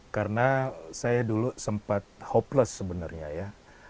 karena saya dulu sempat hopeless sebenarnya ya